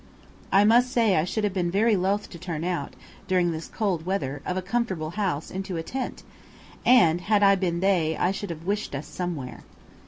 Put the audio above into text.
I must say I should have been very loth to turn out, during this cold weather, of a comfortable house into a tent, and, had I been they, should have wished us somewhere.